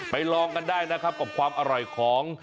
ลองกันได้นะครับกับความอร่อยของ